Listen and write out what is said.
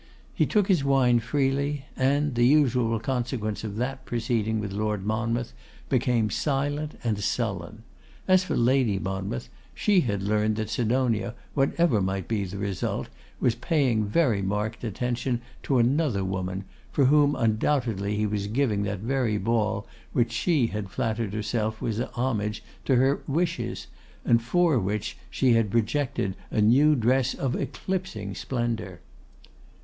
He took his wine freely, and, the usual consequence of that proceeding with Lord Monmouth, became silent and sullen. As for Lady Monmouth, she had learnt that Sidonia, whatever might be the result, was paying very marked attention to another woman, for whom undoubtedly he was giving that very ball which she had flattered herself was a homage to her wishes, and for which she had projected a new dress of eclipsing splendour.